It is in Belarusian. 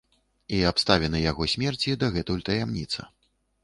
І абставіны яго смерці дагэтуль таямніца.